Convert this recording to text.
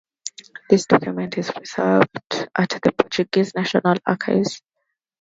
This document is preserved at the Portuguese National Archives.